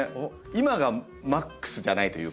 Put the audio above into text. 今がマックスじゃないというか。